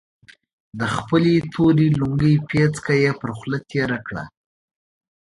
د خپلې تورې لونګۍ پيڅکه يې پر خوله تېره کړه.